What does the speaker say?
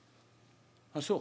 「あっそう。